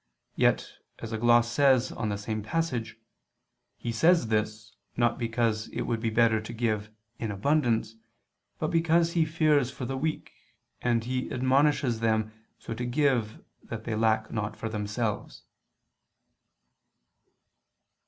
Yet, as a gloss says on the same passage, "he says this, not because it would be better to give in abundance, but because he fears for the weak, and he admonishes them so to give that they lack not for themselves."